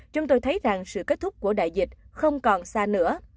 chúng tôi thấy rằng sự kết thúc của đại dịch không còn xa nữa